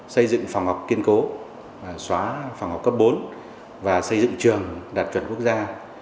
xây dựng phòng học kiên cố xóa phòng học cấp bốn và xây dựng trường đạt chuẩn quốc gia